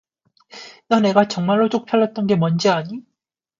너 내가 정말로 쪽팔렸던 게 뭔지 아니?